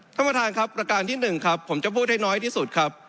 ท่านประธานครับประการที่๑ครับผมจะพูดให้น้อยที่สุดครับ